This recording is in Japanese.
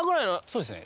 そうですね。